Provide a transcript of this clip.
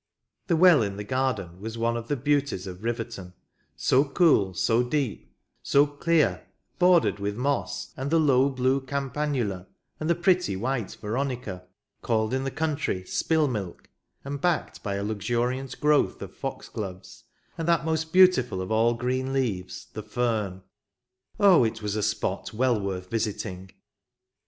The well in the garden was one of the beauties of Riverton — so cool, so deep, so clear, bordered with moss and the low blue campanula, and the pretty white veronica, called in the coun II Lancashire Memories. try " spill milk," and backed by a luxuriant growth of fox gloves, and that most beautiful of all green leaves, the fern. Oh, it was a spot well worth visiting!